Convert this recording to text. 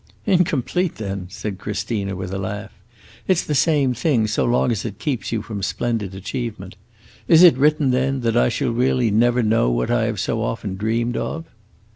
"Incomplete, then!" said Christina, with a laugh. "It 's the same thing, so long as it keeps you from splendid achievement. Is it written, then, that I shall really never know what I have so often dreamed of?"